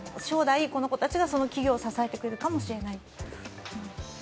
将来、この子たちがその企業を支えてくれるかもしれない。